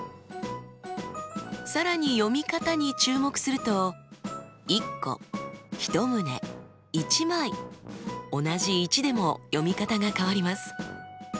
更に読み方に注目すると同じ「１」でも読み方が変わります。